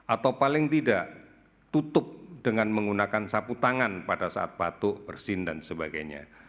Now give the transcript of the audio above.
atau paling tidak tutup dengan menggunakan sapu tangan pada saat batuk bersin dan sebagainya